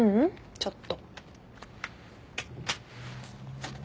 ちょっと。